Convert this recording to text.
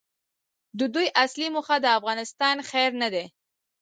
د دوی اصلي موخه د افغانستان خیر نه دی.